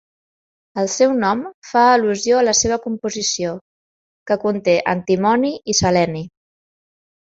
El seu nom fa al·lusió a la seva composició, que conté antimoni i seleni.